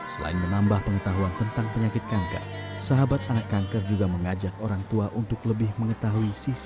selain menambah pengetahuan tentang penyakit kanker sahabat anak kanker juga mengajak orang tua untuk lebih mengetahui sisi